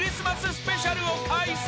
スペシャルを開催］